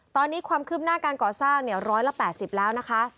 ตอนนี้ความคืบหน้าการก่อสร้าง๑๘๐แล้วนะคะ